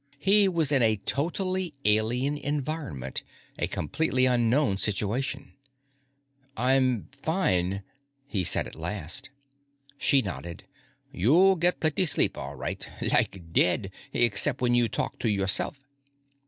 He was in a totally alien environment, a completely unknown situation. "I'm fine," he said at last. She nodded. "You get plenty sleep, all right. Like dead, except when you talk to yourself."